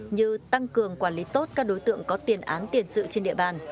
như tăng cường quản lý tốt các đối tượng có tiền án tiền sự trên địa bàn